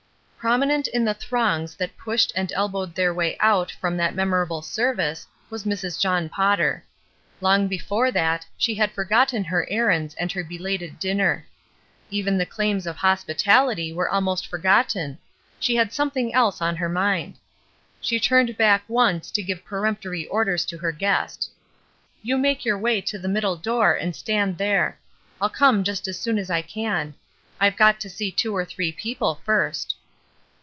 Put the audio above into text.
Prominent in the throngs that pushed and elbowed their way out from that memorable service was Mrs. John Potter. Long before that, she had forgotten her errands and her belated dinner. Even the claims of hospitality were almost forgotten; she had something else on her mind. She turned back once to give peremptory orders to her guest :— "You make your way to the middle door CHILDREN OF ONE FATHER 381 and stand there. I'll come just as soon as I can. IVe got to see two or three people first."